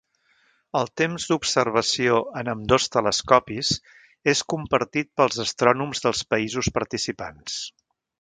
El temps d'observació en ambdós telescopis és compartit pels astrònoms dels països participants.